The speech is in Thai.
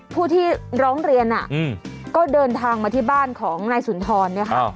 ผู้ที่ร้องเรียนก็เดินทางมาที่บ้านของนายสุนทรเนี่ยค่ะ